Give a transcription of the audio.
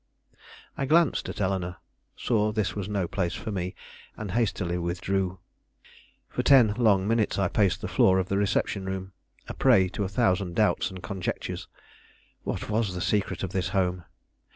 I glanced at Eleanore, saw this was no place for me, and hastily withdrew. For ten long minutes I paced the floor of the reception room, a prey to a thousand doubts and conjectures. What was the secret of this home?